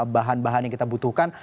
bahan bahan yang kita butuhkan